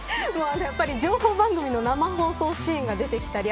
やっぱり情報番組の生放送シーンが出てきたり